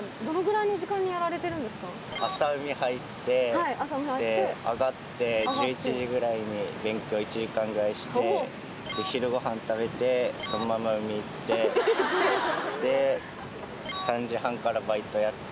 朝海入ってで上がって１１時ぐらいに勉強１時間ぐらいして昼ごはん食べてそのまま海行ってで３時半からバイトやって。